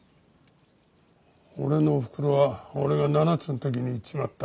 俺のおふくろは俺が７つの時に逝っちまった。